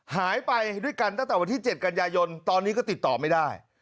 หายไปด้วยกันตั้งแต่วันที่๗กันยายนตอนนี้ก็ติดต่อไม่ได้